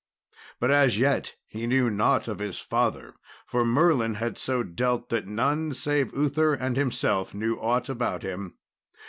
But as yet he knew not of his father; for Merlin had so dealt, that none save Uther and himself knew aught about him.